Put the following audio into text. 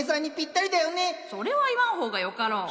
それは言わん方がよかろう。